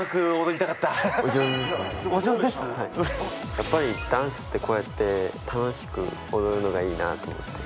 やっぱりダンスってこうやって楽しく踊るのがいいなと思って。